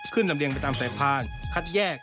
ขึ้นลำเลียงไปตามสายพางคัดแยก